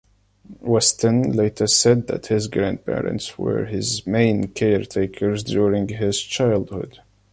Weston later said that his grandparents were his main caretakers during his childhood.